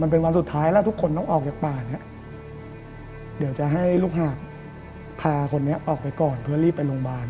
เป็นวันสุดท้ายแล้วทุกคนต้องออกจากป่าเนี่ยเดี๋ยวจะให้ลูกหาดพาคนนี้ออกไปก่อนเพื่อรีบไปโรงพยาบาล